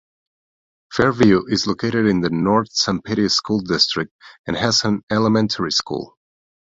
Fairview is located in the North Sanpete School District and has an elementary school.